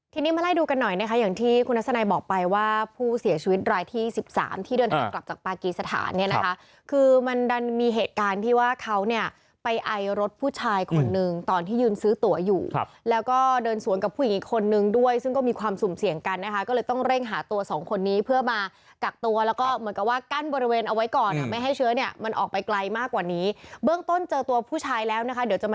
ทีนี้มาไล่ดูกันหน่อยนะคะอย่างที่คุณนักสนัยบอกไปว่าผู้เสียชีวิตรายที่๑๓ที่เดินกลับจากปากรีสถานเนี่ยนะคะคือมันดันมีเหตุการณ์ที่ว่าเขาเนี่ยไปไอรถผู้ชายคนหนึ่งตอนที่ยืนซื้อตัวอยู่แล้วก็เดินสวนกับผู้หญิงอีกคนนึงด้วยซึ่งก็มีความสุ่มเสี่ยงกันนะคะก็เลยต้องเร่งหาตัวสองคนนี้เพื่อมากักตัวแล้วก็เหม